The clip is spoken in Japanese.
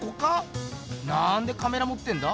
なんでカメラもってんだ？